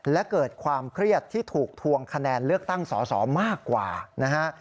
และเกิดความเครียดที่ถูกทวงคะแนนเลือกตั้งสอสอมากกว่านะฮะ